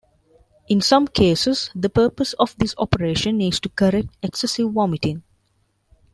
In some cases, the purpose of this operation is to correct excessive vomiting.